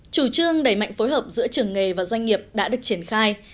chủ trương đẩy mạnh phối hợp giữa trường nghề và doanh nghiệp đã được triển khai